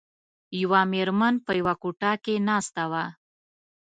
یوه میرمن په یوه کوټه کې ناسته وه.